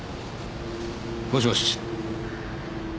もしもし。